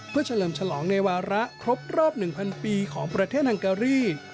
เพื่อเฉลิมฉลองในวาระครบรอบ๑๐๐ปีของประเทศฮังการี